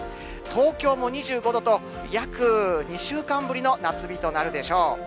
東京も２５度と、約２週間ぶりの夏日となるでしょう。